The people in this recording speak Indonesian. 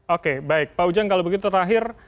oke baik pak ujang kalau begitu terakhir